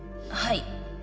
はい。